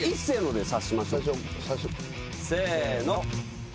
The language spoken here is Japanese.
せの。